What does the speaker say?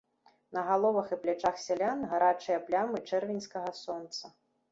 На галовах і плячах сялян гарачыя плямы чэрвеньскага сонца.